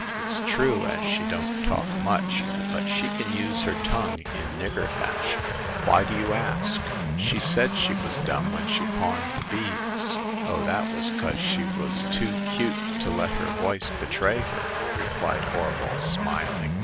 It's true as she don't talk much, but she can use her tongue in nigger fashion. Why do you ask?" She said she was dumb when she pawned the beads." Oh, that was 'cause she was too 'cute to let her voice betray her/' replied HorvaJ^, smiling.